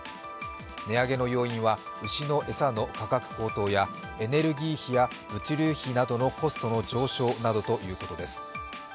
値上げの要因は牛の餌の価格高騰やエネルギー費や物流費などのコストの上昇などということです。